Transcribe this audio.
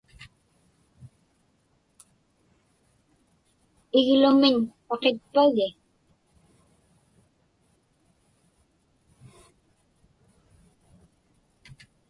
Iglumiñ paqitpagi?